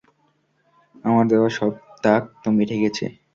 আমার দেওয়া সব দাগ তো মিটে গেছে।